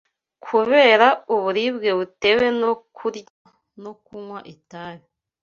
kubera uburibwe butewe no kurya no kunywa nabi